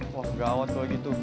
wah gak awet gue gitu